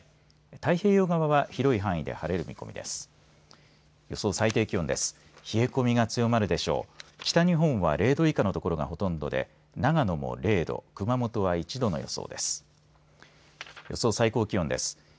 太平洋側は広い範囲で晴れる見込みです。